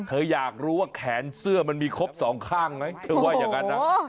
อยากรู้ว่าแขนเสื้อมันมีครบสองข้างไหมเธอว่าอย่างนั้นนะ